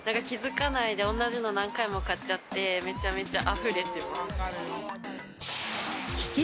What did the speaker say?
気づかないで同じのを何回も買っちゃって、めちゃめちゃ溢れてます。